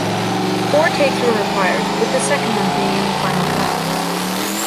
Four takes were required, with the second one being in the final cut.